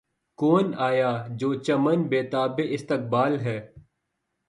کون آیا‘ جو چمن بے تابِ استقبال ہے!